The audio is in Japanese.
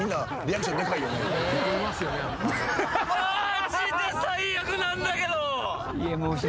マジで最悪なんだけど。